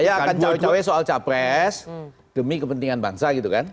iya kan cawe cawe soal capres demi kepentingan bangsa gitu kan